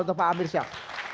untuk pak amir syah